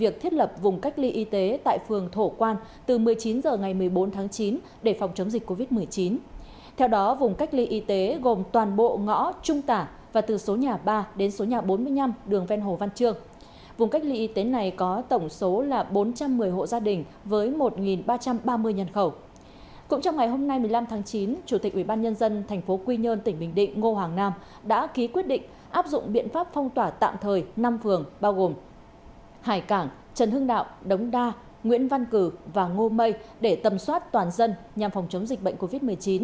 cũng trong ngày hôm nay một mươi năm tháng chín chủ tịch ubnd tp quy nhơn tỉnh bình định ngô hoàng nam đã ký quyết định áp dụng biện pháp phong tỏa tạm thời năm phường bao gồm hải cảng trần hưng đạo đống đa nguyễn văn cử và ngô mây để tầm soát toàn dân nhằm phòng chống dịch bệnh covid một mươi chín